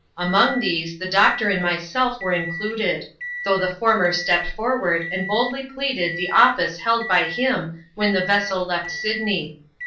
Among these, the doctor and myself were included ; though the former stepped forward, and boldly pleaded the office held by him when the vessel left Syd ney.